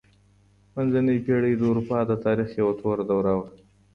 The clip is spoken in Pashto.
منځنۍ پېړۍ د اروپا د تاريخ يوه توره دوره وه.